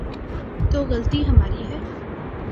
تو غلطی ہماری ہے۔